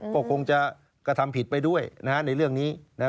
ก็คงจะกระทำผิดไปด้วยในเรื่องนี้